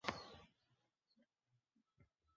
Autorem je německý sochař August Kiss.